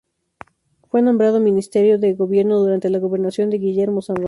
Fue nombrado Ministro de Gobierno durante la gobernación de Guillermo San Román.